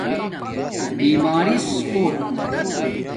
بیمارس کوٹ